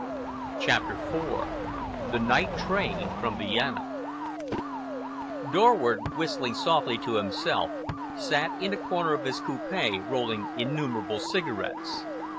CHAPTER IV THE NIGHT TRAIN FROM VIENNA Dorward, whistling softly to himself, sat in a corner of his coupe rolling innumerable cigarettes.